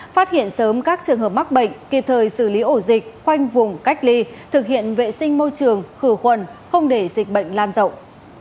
phát hiện sớm các trường hợp mắc bệnh kịp thời xử lý ổ dịch khoanh vùng cách ly thực hiện vệ sinh môi trường khử khuẩn không để dịch bệnh lan rộng